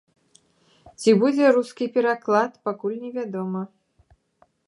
Ці будзе рускі пераклад, пакуль невядома.